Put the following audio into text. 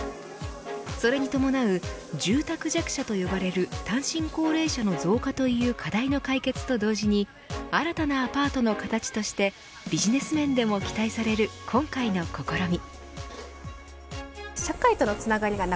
それに伴う住宅弱者と呼ばれる単身高齢者の増加という課題の解決と同時に新たなアパートの形としてビジネス面でも期待される今回の試み。